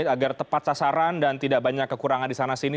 agar tepat sasaran dan tidak banyak kekurangan di sana sini